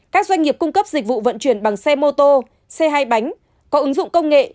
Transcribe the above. các doanh nghiệp cung cấp dịch vụ vận chuyển bằng xe mô tô xe hai bánh có ứng dụng công nghệ